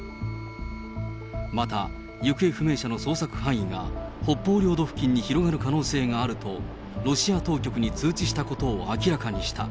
また行方不明者の捜索範囲が、北方領土付近に広がる可能性があると、ロシア当局に通知したことを明らかにした。